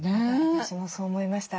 私もそう思いました。